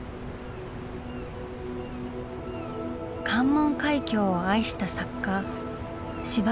関門海峡を愛した作家司馬